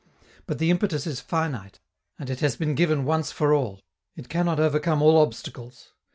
But the impetus is finite, and it has been given once for all. It cannot overcome all obstacles.